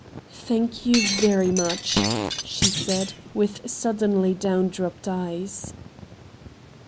' Thank you, very much', she said, with suddenly down dropped eyes.